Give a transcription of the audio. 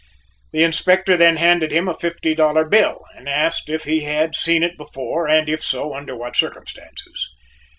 The Inspector then handed him a fifty dollar bill and asked if he had seen it before and, if so, under what circumstances.